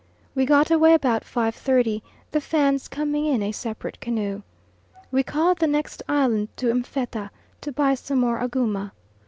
We get away about 5.30, the Fans coming in a separate canoe. We call at the next island to M'fetta to buy some more aguma.